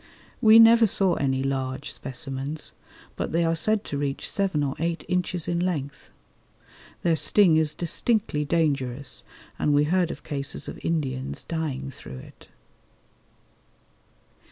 We never saw any large specimens, but they are said to reach seven or eight inches in length Their sting is distinctly dangerous, and we heard of cases of Indians dying through it.